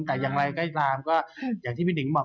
แต่อย่างไรก็ตามก็อย่างที่พี่หนิงบอก